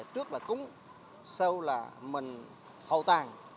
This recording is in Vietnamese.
sau là cúng sau là mình hậu tàng